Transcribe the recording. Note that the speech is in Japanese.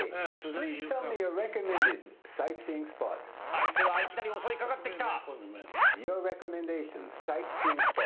相手がいきなり襲いかかってきた。